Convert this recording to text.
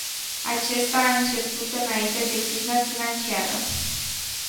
Acesta a început înainte de criza financiară.